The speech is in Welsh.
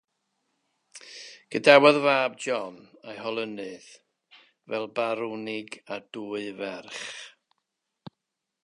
Gadawodd fab, John, a'i holynodd fel barwnig, a dwy ferch.